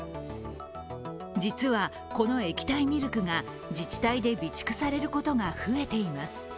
実は、このミルクが自治体で備蓄されることが増えています。